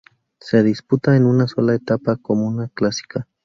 Se disputa en una sola etapa, como una clásica.